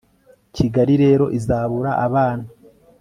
Kigali rero izabura abana